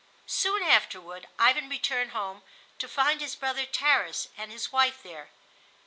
Soon afterward Ivan returned home, to find his brother Tarras and his wife there.